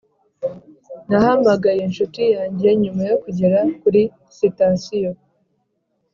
nahamagaye inshuti yanjye nyuma yo kugera kuri sitasiyo.